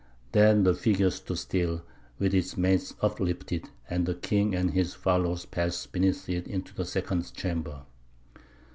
Then the figure stood still, with its mace uplifted, and the king and his followers passed beneath it into the second chamber.